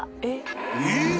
［えっ！？